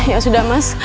ya sudah mas